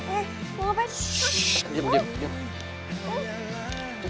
akan ku melayani segalanya